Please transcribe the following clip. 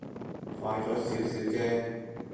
快咗少少啫